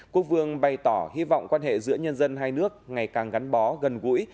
quốc vương bày tỏ hy vọng quan hệ giữa nhân dân hai nước ngày càng gắn bó gần gũi